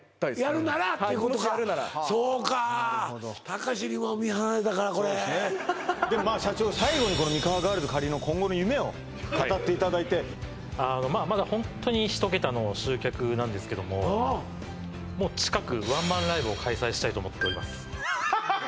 やるならってことかそうかたかしにも見放されたかこれでも社長最後にこのミカワガールズの今後の夢を語っていただいてまだホントに１桁の集客なんですけどももう近くワンマンライブを開催したいと思っておりますハハハ！